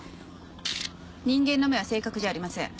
人間の目は正確じゃありません。